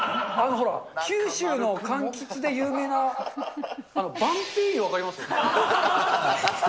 ほら、九州のかんきつで有名な、あの晩白柚、分かります？